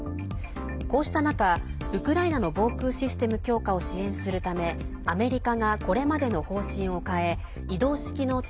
こうした中、ウクライナの防空システム強化を支援するためアメリカがこれまでの方針を変え移動式の地